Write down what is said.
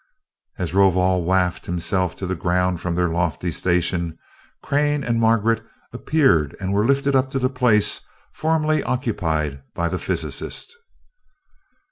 As Rovol wafted himself to the ground from their lofty station, Crane and Margaret appeared and were lifted up to the place formerly occupied by the physicist.